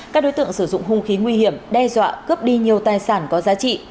các đối tượng sử dụng hung khí nguy hiểm đe dọa cướp đi nhiều tài sản có giá trị